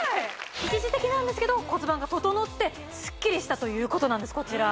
一時的なんですけど骨盤が整ってスッキリしたということなんですこちら